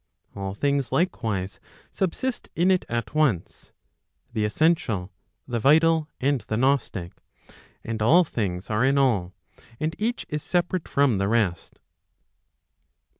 All things likewise subsist in it at once, the essential, the vital, and the gnostic; and all things are in aU, and each is separate from the rest.